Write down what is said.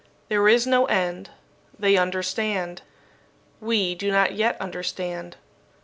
There is no end. They understand. We do not yet understand."